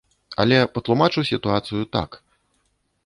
Але патлумачу сітуацыю так.